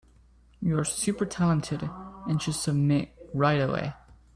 You are super talented and should submit right away.